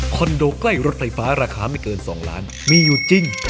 โดใกล้รถไฟฟ้าราคาไม่เกิน๒ล้านมีอยู่จริง